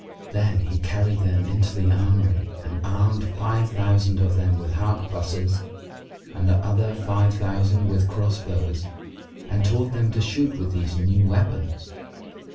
Then he carried them into the armoury and armed five thousand of them with harquebuses and other five thousand with cross bows and taught them to shoot with these new weapons.